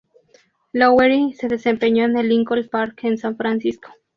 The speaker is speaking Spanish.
Lowery se desempeñó en el "Lincoln Park" en San Francisco.